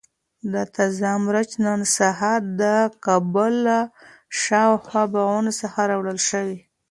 دا تازه مرچ نن سهار د کابل له شاوخوا باغونو څخه راوړل شوي.